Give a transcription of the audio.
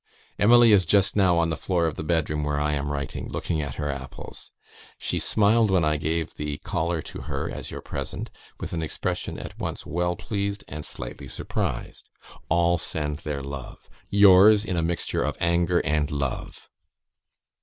Emily is just now on the floor of the bed room where I am writing, looking at her apples. She smiled when I gave the collar to her as your present, with an expression at once well pleased and slightly surprised. All send their love. Yours, in a mixture of anger and love."